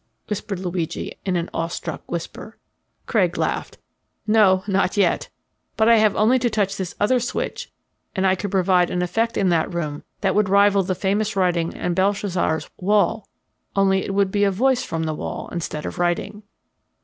whispered Luigi in an awestruck whisper. Craig laughed. "No, not yet. But I have only to touch this other switch, and I could produce an effect in that room that would rival the famous writing on Belshazzar's wall only it would be a voice from the wall instead of writing."